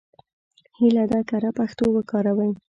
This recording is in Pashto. هیله ده کره پښتو وکاروئ.